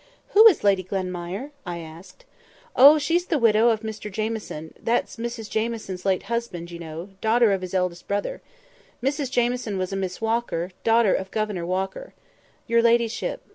"Who is Lady Glenmire?" asked I. "Oh, she's the widow of Mr Jamieson—that's Mrs Jamieson's late husband, you know—widow of his eldest brother. Mrs Jamieson was a Miss Walker, daughter of Governor Walker. 'Your ladyship.